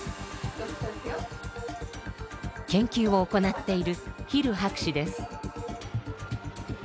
研究を行っているヒル博士です。